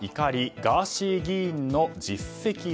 ガーシー議員の実績は？